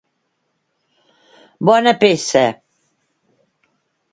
Bona peça.